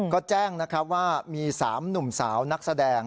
ก็แจ้งนะครับว่ามี๓หนุ่มสาวนักแสดง